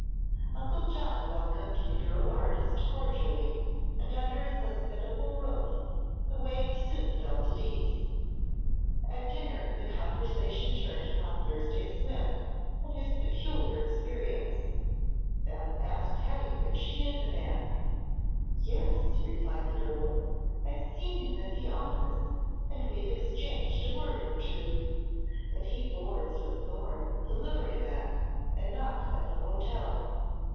Uncle John welcomed the girl artist cordially and under his hospitable roof the waif soon felt at ease. At dinner the conversation turned upon Thursday Smith and his peculiar experience. Beth asked Hetty if she knew the man. "Yes," replied the girl; "I've seen him at the office and we've exchanged a word or two. But he boards with Thorne, the liveryman, and not at the hotel."